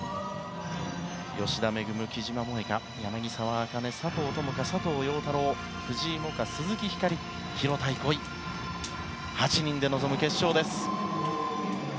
吉田萌、木島萌香、柳澤明希佐藤友花、佐藤陽太郎、藤井萌夏鈴木ひかり、廣田憩８人で臨む決勝です。